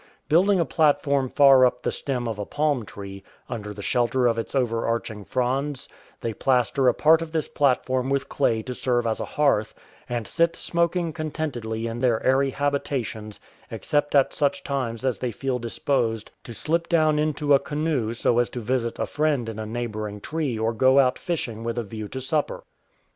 Building a platform far up the stem of a palm tree, under the shelter of its overarching fronds, they plaster a part of this platform with clay to serve as a hearth, and sit smoking contentedly in their airy habitations, except at such times as they feel disposed to slip down into a canoe 236 LEGEND OF THE WARAOONS so as to visit a friend in a neighbouring tree or go out fishing with a view to supper.